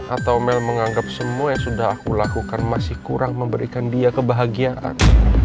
atau mel menganggap semua yang sudah aku lakukan masih kurang memberikan dia kebahagiaan